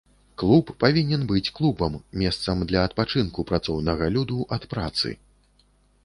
Клуб павінен быць клубам, месцам для адпачынку працоўнага люду ад працы.